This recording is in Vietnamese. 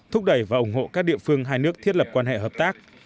thúc đẩy và ủng hộ các địa phương hai nước thiết lập quan hệ hợp tác